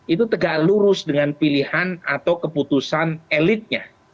itu tegak lurus dengan pilihan atau keputusan elitnya